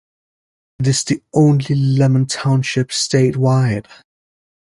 It is the only Lemon Township statewide.